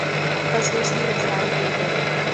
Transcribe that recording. خصوصی رسائی دی گئی